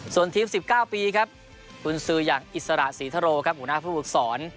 ส่วนทีม๑๙ปีครับกุญสืออย่างอิสระศรีทะโรครับหัวหน้าผู้ฝึกสอน